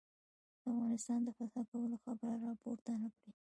د افغانستان د فتح کولو خبره را پورته نه کړي.